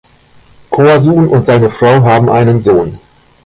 Korsun und seine Frau haben einen Sohn.